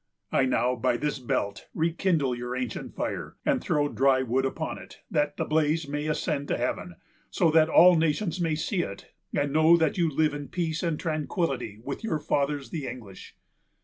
I now, by this belt, rekindle your ancient fire, and throw dry wood upon it, that the blaze may ascend to heaven, so that all nations may see it, and know that you live in peace and tranquillity with your fathers the English.